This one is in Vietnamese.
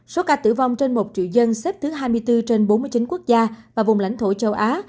số ca tử vong trên một triệu dân xếp thứ hai mươi bốn trên bốn mươi chín quốc gia và vùng lãnh thổ châu á